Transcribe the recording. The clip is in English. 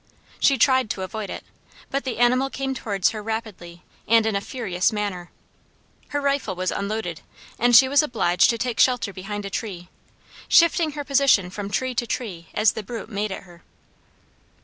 She tried to avoid it, but the animal came towards her rapidly and in a furious manner. Her rifle was unloaded, and she was obliged to take shelter behind a tree, shifting her position from tree to tree as the brute made at her.